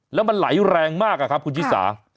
แล้วมันไหลแรงมากอะครับคุณชิสา